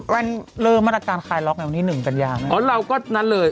แว่นเริ่มมาตรการคลายล็อกในวันที่หนึ่งกันยาไหมอ๋อเราก็นั้นเลย